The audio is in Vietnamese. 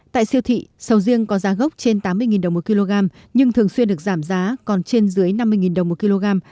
tại siêu thị sầu riêng có giá gốc trên tám mươi đồng một kg nhưng thường xuyên được giảm giá còn trên dưới năm mươi đồng một kg